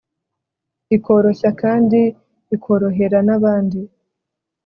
ikoroshya kandi ikorohera n'abandi..